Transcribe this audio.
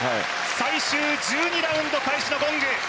最終１２ラウンド開始のゴング。